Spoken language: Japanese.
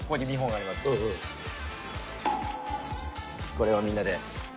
これをみんなで。